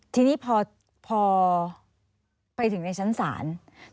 ทีนี้พอไปถึงในชั้นศาล